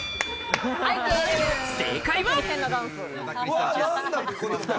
正解は。